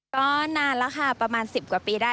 ก็นานแล้วค่ะประมาณ๑๐กว่าปีได้